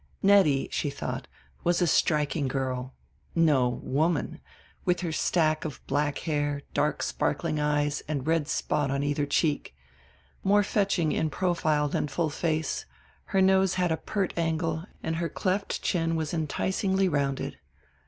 Nettie, she thought, was a striking girl, no woman, with her stack of black hair, dark sparkling eyes and red spot on either cheek. More fetching in profile than full face, her nose had a pert angle and her cleft chin was enticingly rounded.